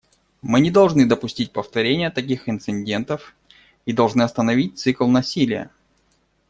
Мы не должны допустить повторения таких инцидентов и должны остановить цикл насилия.